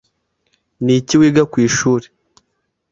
Niki wiga kwishuri?